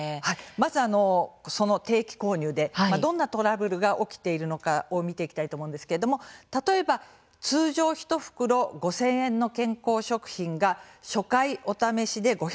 まずは、その定期購入でどんなトラブルが起きているのか見ていきたいと思うんですけど例えば、通常１袋５０００円の健康食品が初回、お試しで５００円